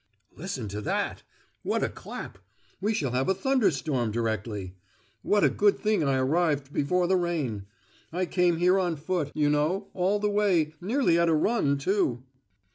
Listen to that! What a clap! We shall have a thunder storm directly! What a good thing I arrived before the rain! I came here on foot, you know, all the way, nearly at a run, too!"